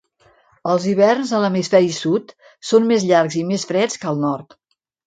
Els hiverns a l'hemisferi sud són més llargs i més freds que al nord.